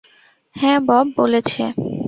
হ্যাঁ, বব বলেছে।